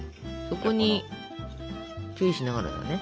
そこに注意しながらだね。